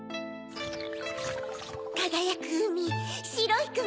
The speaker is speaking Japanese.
かがやくうみしろいくも